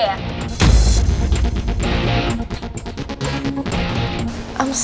tidak gue mau nyegah lo